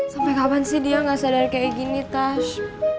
sampai kapan dia tidak sadar seperti ini tash